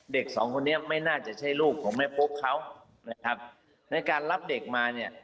เด็กสองคนนี้ไม่น่าจะใช่ลูกของแม่ปุ๊กเขานะครับในการรับเด็กมาเนี่ย